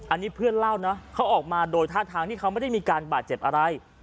อันนี้เพื่อนเล่านะเขาออกมาโดยท่าทางที่เขาไม่ได้มีการบาดเจ็บอะไร